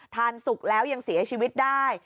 สุกแล้วยังเสียชีวิตได้